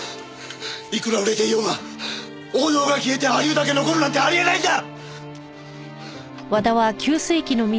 いくら売れていようが王道が消えて亜流だけ残るなんてあり得ないんだ！